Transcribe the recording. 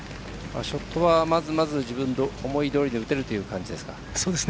ショットはまずまず自分の思いどおりで打ててる感じでしょうか。